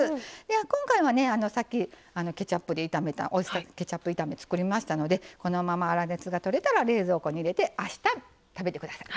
今回はねさっきケチャップで炒めたオイスターケチャップ炒め作りましたのでこのまま粗熱がとれたら冷蔵庫に入れてあした食べて下さい。